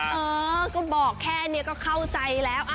เออก็บอกแค่นี้ก็เข้าใจแล้ว